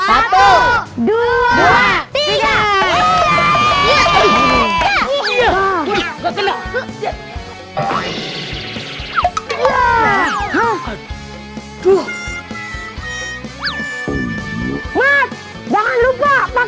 ayo dulu keluarkan tak lalu air tanpa asap